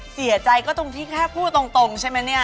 เสียใจก็ตรงที่แค่พูดตรงใช่ไหมเนี่ย